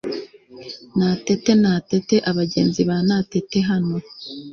natete! natete! abagenzi ba natete hano